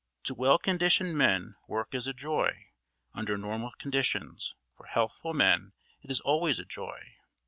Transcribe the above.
To well conditioned men work is a joy; under normal conditions, for healthful men, it is always a joy.